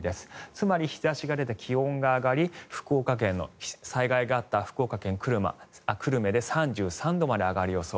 つまり日差しが出て気温が上がり災害があった福岡県の久留米で３３度まで上がる予想